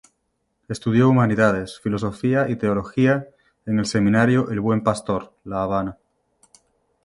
Estudió humanidades, filosofía y teología en el Seminario El Buen Pastor, La Habana.